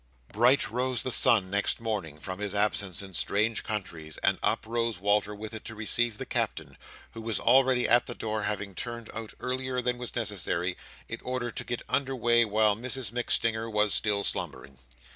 Bright rose the sun next morning, from his absence in strange countries and up rose Walter with it to receive the Captain, who was already at the door: having turned out earlier than was necessary, in order to get under weigh while Mrs MacStinger was still slumbering.